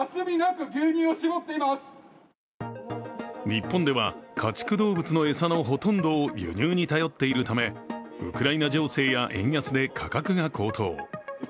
日本では家畜動物の餌のほとんどを輸入に頼っているためウクライナ情勢や円安で価格が高騰。